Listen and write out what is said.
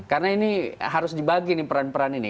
karena ini harus dibagi peran peran ini